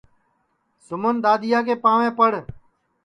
سُمن دؔادیا کے پاںٚوے پڑ